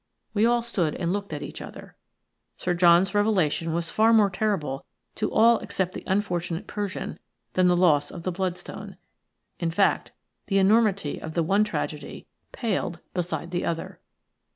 We all stood and looked at each other. Sir John's revelation was far more terrible to all except the unfortunate Persian than the loss of the bloodstone. In fact, the enormity of the one tragedy paled beside the other.